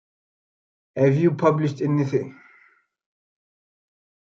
Have you published anything?